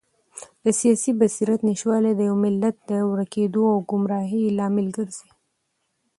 د سیاسي بصیرت نشتوالی د یو ملت د ورکېدو او ګمراهۍ لامل ګرځي.